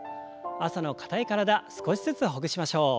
朝の硬い体少しずつほぐしましょう。